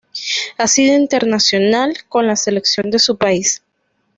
Ha sido internacional con la selección de su país.